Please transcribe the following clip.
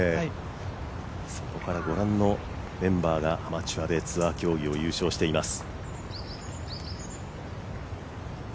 そこからご覧のメンバーがアマチュアでツアー競技を優勝しています。